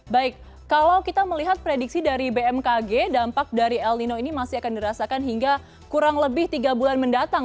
baik kalau kita melihat prediksi dari bmkg dampak dari el nino ini masih akan dirasakan hingga kurang lebih tiga bulan mendatang